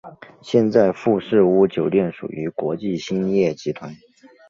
现在富士屋酒店属于国际兴业集团。